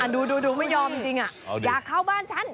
ดูไม่ยอมจริงอยากเข้าบ้านฉัน